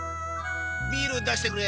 ビール出してくれ。